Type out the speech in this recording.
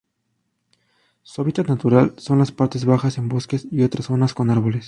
Su hábitat natural son las partes bajas en bosques y otras zonas con árboles.